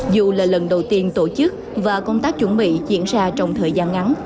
dù là lần đầu tiên tổ chức và công tác chuẩn bị diễn ra trong thời gian ngắn